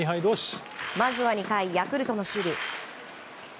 まずは２回、ヤクルトの守備。